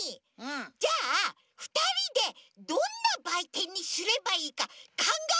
じゃあふたりでどんなばいてんにすればいいかかんがえよう！